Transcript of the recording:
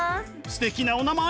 すてきなお名前！